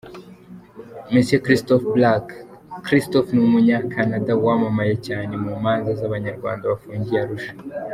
Me Christopher Black : Christopher ni Umunyakanada wamamaye cyane mu manza z’Abanyarwanda bafungiye Arusha.